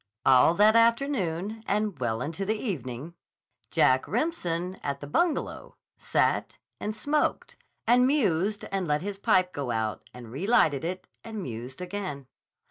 All that afternoon and well into the evening, Jack Remsen, at the Bungalow, sat and smoked and mused and let his pipe go out and relighted it and mused again.